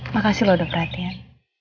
makasih lo udah perhatian